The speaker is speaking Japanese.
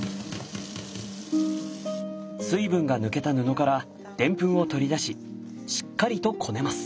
水分が抜けた布からデンプンを取り出ししっかりとこねます。